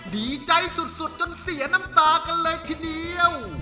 ดีใจสุดจนเสียน้ำตากันเลยทีเดียว